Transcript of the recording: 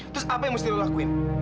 terus apa yang mesti lo lakuin